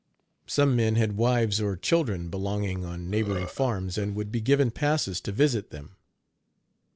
Some men had wives or children belonging on neighboring farms, and would be given passes to visit them.